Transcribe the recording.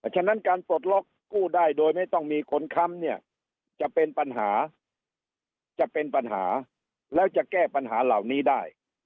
ฉะนั้นการปลดล็อกกู้ได้โดยไม่ต้องมีคนค้ำเนี่ยจะเป็นปัญหาจะเป็นปัญหาแล้วจะแก้ปัญหาเหล่านี้ได้